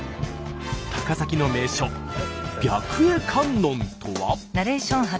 高崎の名所白衣観音とは？